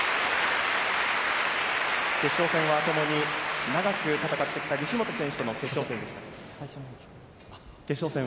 決勝戦はともに長く戦ってきた西本選手との決勝戦でした。